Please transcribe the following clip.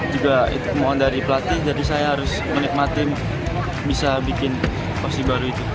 juga itu mohon dari pelatih jadi saya harus menikmati bisa bikin porsi baru itu